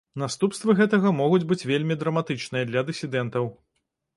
Наступствы гэтага могуць быць вельмі драматычныя для дысідэнтаў.